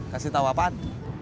kasih tahu apaan